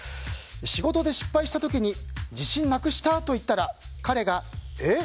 仕事で失敗した時に自信なくしたと言ったら彼が、えっ？